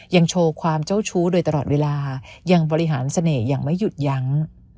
โชว์ความเจ้าชู้โดยตลอดเวลายังบริหารเสน่ห์อย่างไม่หยุดยั้ง